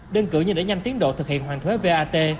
đơn cử như để nhanh tiến độ thực hiện hoàn thuế vat